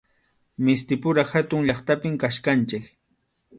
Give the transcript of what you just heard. Mistipura hatun llaqtapim kachkanchik.